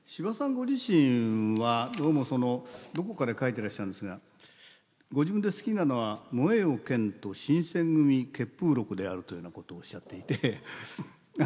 ご自身はどうもそのどこかで書いていらっしゃるんですがご自分で好きなのは「燃えよ剣」と「新選組血風録」であるというようなことをおっしゃっていて。